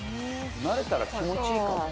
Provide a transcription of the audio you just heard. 慣れたら気持ちいいかも。